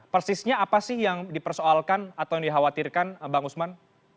persisnya apa sih yang dipersoalkan atau yang dikhawatirkan bang usman